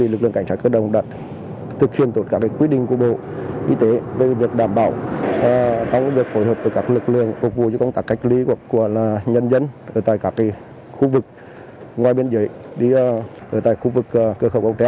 lực lượng cảnh sát cơ động đã phối hợp với lực lượng y tế